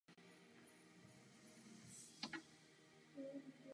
Regionální přizpůsobení je zásadní.